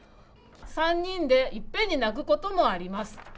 ３人でいっぱいになることもあります。